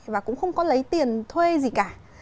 và cũng không có lấy tiền thuê gì cả